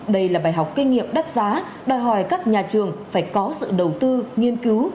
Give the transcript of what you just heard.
đây là bài học kinh nghiệm đắt giá đòi hỏi các nhà trường phải có sự đầu tư nghiên cứu